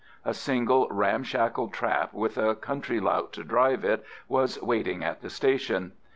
A single ramshackle trap, with a country lout to drive it, was waiting at the station.